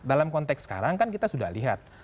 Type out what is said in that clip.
dalam konteks sekarang kan kita sudah lihat